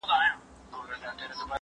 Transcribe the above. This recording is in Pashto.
زه اوږده وخت د کتابتوننۍ سره خبري کوم!!